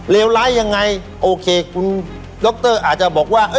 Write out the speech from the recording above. เลวร้ายยังไงโอเคดรอาจจะบอกว่า